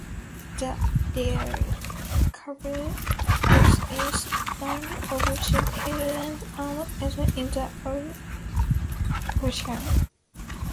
The Diocese covers the islands of Saint Helena and Ascension in the Atlantic Ocean.